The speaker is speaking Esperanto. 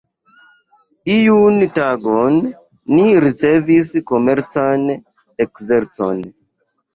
Iun tagon ni ricevis komercan ekzercon.